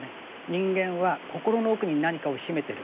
人間は心の奥に何かを秘めてる。